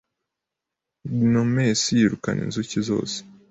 Gnomes yirukana inzuki zose